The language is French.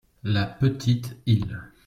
La petite île.